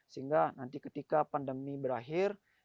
sehingga nanti ketika pandemi berakhir